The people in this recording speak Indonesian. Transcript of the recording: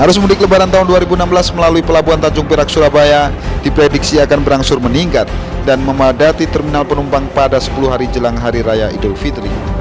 arus mudik lebaran tahun dua ribu enam belas melalui pelabuhan tanjung perak surabaya diprediksi akan berangsur meningkat dan memadati terminal penumpang pada sepuluh hari jelang hari raya idul fitri